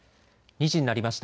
２時になりました。